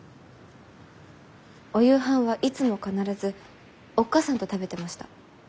・お夕飯はいつも必ずおっ母さんと食べてました。